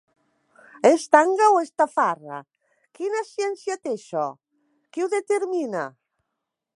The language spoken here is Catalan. És tanga o és tafarra? Quina ciència té això? Qui ho determina?